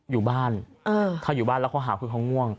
อยู่บ้านถ้าอยู่บ้านแล้วเขาหาคือเขาง่วง